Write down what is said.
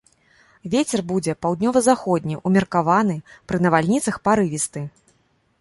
Вецер будзе паўднёва-заходні, умеркаваны, пры навальніцах парывісты.